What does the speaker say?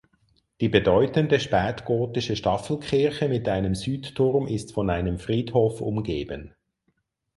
Die bedeutende spätgotische Staffelkirche mit einem Südturm ist von einem Friedhof umgeben.